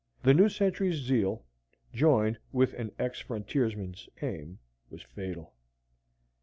The new sentry's zeal, joined with an ex frontiersman's aim, was fatal.